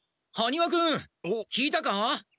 ハニワ君聞いたか？